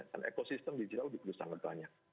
dan ekosistem digital diperlukan sangat banyak